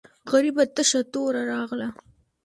غریبه تشه توره راغله.